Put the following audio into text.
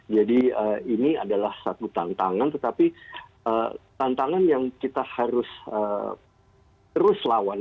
jadi ini adalah satu tantangan tetapi tantangan yang kita harus terus lawan